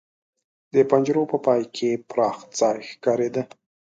د پنجرو په پای کې پراخ ځای ښکارېده.